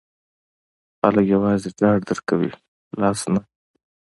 خلګ یوازې ډاډ درکوي، لاس نه.